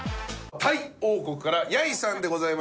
タイ王国からヤイさんでございます。